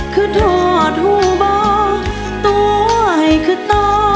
ขึ้นถอดหูบ่ตัวให้ขึ้นต่อ